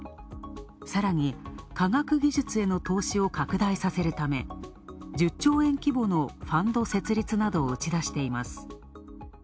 さらに、科学技術への投資を拡大させるため１０兆円規模のファンド設立などを打ち出しています。